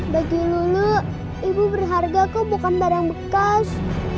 bagi lulu ibu berharga kok bukan barang bekas